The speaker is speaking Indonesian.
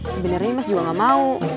sebenernya emas juga gak mau